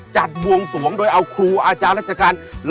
บวงสวงโดยเอาครูอาจารย์ราชการ